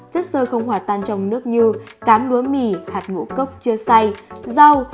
chất sơ không hòa tan trong nước như cám lúa mì hạt ngũ cốc chưa xay rau